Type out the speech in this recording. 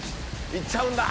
行っちゃうんだ！